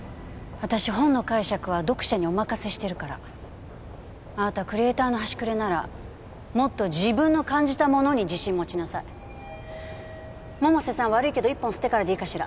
私本の解釈は読者にお任せしてるからあなたクリエイターの端くれならもっと自分の感じたものに自信持ちなさい百瀬さん悪いけど１本吸ってからでいいかしら？